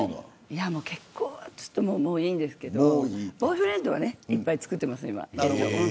結婚はもういいんですけどボーイフレンドはいっぱいつくってます。